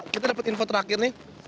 kita dapat info terakhir nih